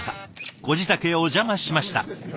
ご自宅へお邪魔しました。